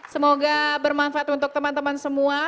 semoga bermanfaat untuk teman teman semua